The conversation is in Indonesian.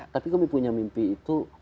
tapi kami punya mimpi itu